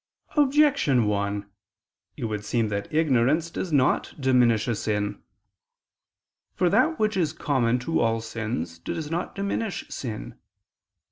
Objection 1: It would seem that ignorance does not diminish a sin. For that which is common to all sins does not diminish sin.